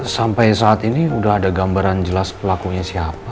sampai saat ini sudah ada gambaran jelas pelakunya siapa